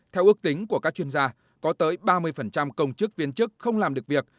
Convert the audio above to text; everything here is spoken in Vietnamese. theo ước tính của các chuyên gia có tới ba mươi công chức viên chức không làm được việc